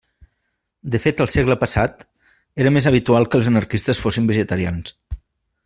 De fet al segle passat era més habitual que els anarquistes fossin vegetarians.